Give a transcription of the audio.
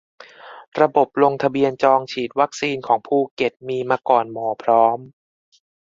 ระบบลงทะเบียนจองฉีดวัคซีนของภูเก็ตมีมาก่อน หมอพร้อม